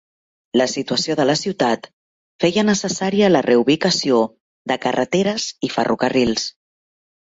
La situació de la ciutat feia necessària la reubicació de carreteres i ferrocarrils.